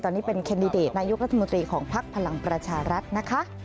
ตอนนี้เป็นแคนดิเดตนายกรัฐมนตรีของภักดิ์พลังประชารัฐนะคะ